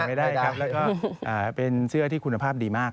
ไม่ได้ครับแล้วก็เป็นเสื้อที่คุณภาพดีมาก